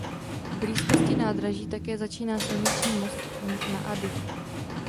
V blízkosti nádraží také začíná silniční Most na Adi.